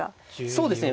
そうですね。